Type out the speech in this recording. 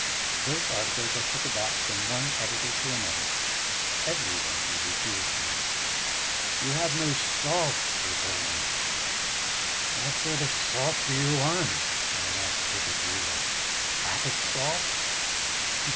Those articles I took about from one editor to another; everywhere they refused them: you have no salt they told me. "What sort of salt do you want?" I asked with a jeer. "Attic salt?"